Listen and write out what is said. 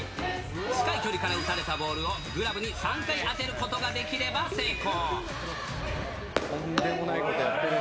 近い距離から打たれたボールを、グラブに３回当てることができれば成功。